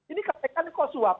ini katanya kok suap